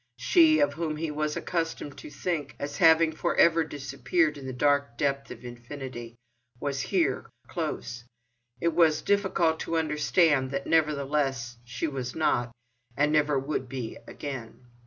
She, of whom he was accustomed to think as having for ever disappeared in the dark depth of infinity, was here, close—and it was difficult to understand that nevertheless she was not, and never would be again.